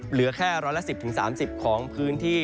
เหลือแค่๑๑๐๓๐ของพื้นที่